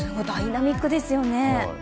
ダイナミックですよね。